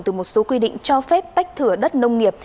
từ một số quy định cho phép tách thửa đất nông nghiệp